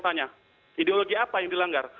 tanya ideologi apa yang dilanggar